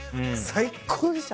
最高でした。